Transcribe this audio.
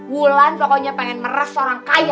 wulan pokoknya pengen meres orang kaya